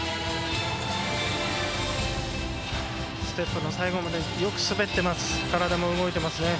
ステップの最後までよく滑っています。